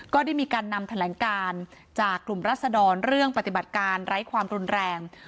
ก็ได้มีการนำแถลงการจากกลุ่มรัศดรเรื่องปฏิบัติการไร้ความรุนแรง